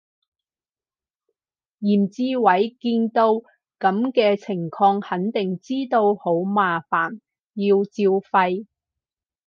袁志偉見到噉嘅情況肯定知道好麻煩，要照肺